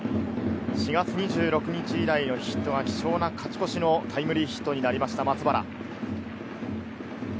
４月２６日以来のヒットが、貴重な勝ち越しのタイムリーヒットになりました松原。